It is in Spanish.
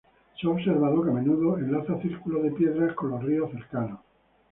Se ha observado que a menudo enlaza círculos de piedra con los ríos cercanos.